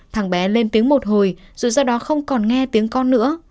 thằng bé lên tiếng một hồi dù sao đó không còn nghe tiếng con nữa